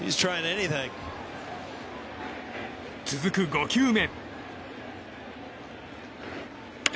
続く５球目。